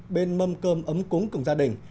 bên mâm cơm ấm cúng cùng gia đình